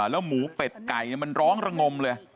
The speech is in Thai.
แล้วหมูเป็ดไก่มันร้องระงมเลย